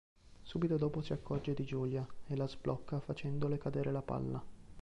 Subito dopo si accorge di Julia e la "sblocca" facendole cadere la palla.